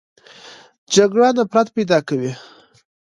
جګړه نفرت پیدا کوي